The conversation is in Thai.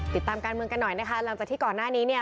ติดตามการเมืองกันหน่อยนะคะหลังจากที่ก่อนหน้านี้เนี่ย